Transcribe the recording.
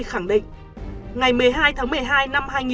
khẳng định ngày một mươi hai tháng một mươi hai